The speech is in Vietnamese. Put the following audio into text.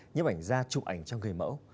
nhếp ảnh da chụp ảnh cho người mẫu